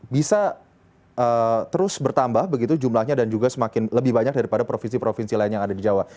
bisa terus bertambah begitu jumlahnya dan juga semakin lebih banyak daripada provinsi provinsi lain yang ada di jawa